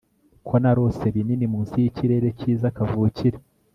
ko narose binini munsi yikirere cyiza kavukire